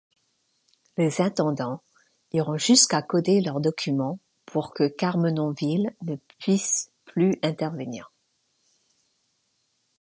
Les intendants iront jusqu'à coder leurs documents pour qu'Armenonville ne puisse plus intervenir.